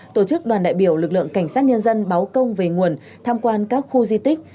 tổ chức đoàn đại biểu lực lượng cảnh sát nhân dân báo công về nguồn tham quan các khu di tích